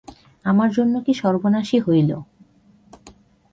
আমার জন্য কি সর্বনাশই হইল!